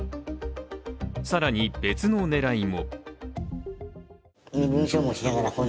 更に別の狙いも。